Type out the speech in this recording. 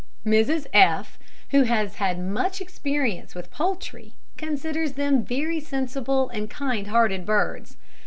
Mrs F , who has had much experience with poultry, considers them very sensible and kind hearted birds.